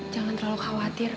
jangan terlalu khawatir